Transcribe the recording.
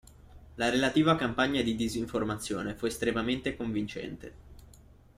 La relativa campagna di disinformazione fu estremamente convincente.